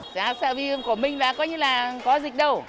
giá sợ viêm của mình là có như là có dịch đâu